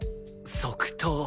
即答。